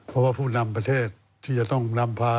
เพราะผู้นำประเทศที่จะต้องนำวิทยาลัย